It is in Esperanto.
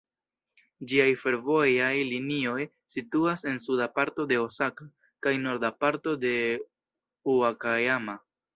Ĝiaj fervojaj linioj situas en suda parto de Osaka kaj norda parto de Ŭakajama.